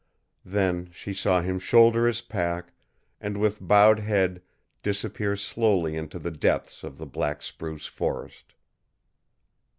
Then she saw him shoulder his pack, and, with bowed head, disappear slowly into the depths of the black spruce forest.